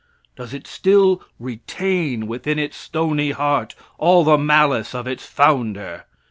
Does it still retain within its stony heart all the malice of its founder?